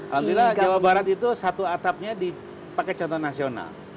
alhamdulillah jawa barat itu satu atapnya dipakai contoh nasional